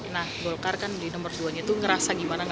nah golkar kan di nomor duanya itu ngerasa gimana